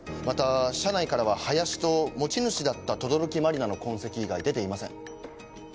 また車内からは林と持ち主だった等々力茉莉奈の痕跡以外出ていません。